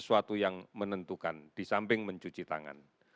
sesuatu yang menentukan di samping mencuci tangan